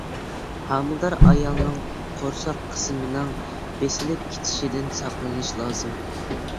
ھامىلىدار ئايالنىڭ قورساق قىسمىنىڭ بېسىلىپ كېتىشىدىن ساقلىنىش لازىم.